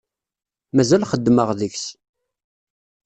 Mazal xeddmeɣ deg-s.